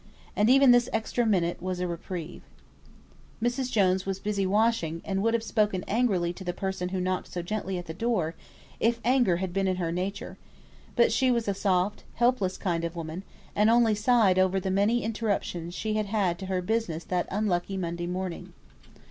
And even this extra minute was a reprieve. Mrs. Jones was busy washing, and would have spoken angrily to the person who knocked so gently at the door, if anger had been in her nature; but she was a soft, helpless kind of woman, and only sighed over the many interruptions she had had to her business that unlucky Monday morning.